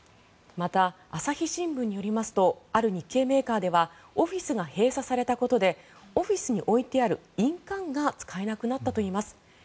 また、朝日新聞によりますとある日系メーカーではオフィスが閉鎖されたことでオフィスに置いてある印鑑が使えなくなったといいます。